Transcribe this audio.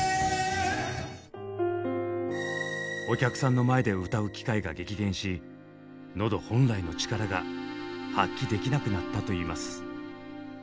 お客さんの前で歌う機会が激減し喉本来の力が発揮できなくなったといいます。